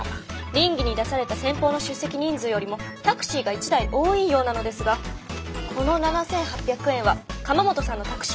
稟議に出された先方の出席人数よりもタクシーが１台多いようなのですがこの７，８００円は鎌本さんのタクシー代ということでよろしいでしょうか？